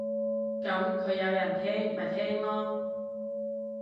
噉佢有人聽咪聽囉